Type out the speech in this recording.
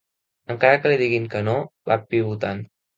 Encara que li diguin que no, va pivotant.